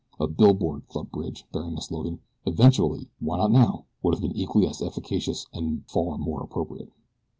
A billboard, thought Bridge, bearing the slogan: "Eventually! Why not now?" would have been equally as efficacious and far more appropriate.